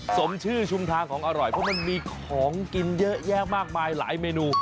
สมชื่อชุมทางของอร่อยเพราะมันมีของกินเยอะแยะมากมายหลายเมนู